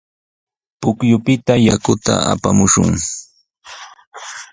Pukyupita yakuta apamushun.